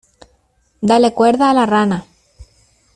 Dale cuerda a la rana.